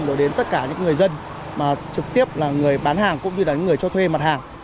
rồi đến tất cả những người dân mà trực tiếp là người bán hàng cũng như là những người cho thuê mặt hàng